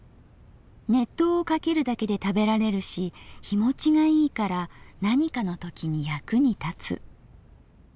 熱湯をかけるだけで食べられるし日保ちがいいから何かのときに役に立つ」。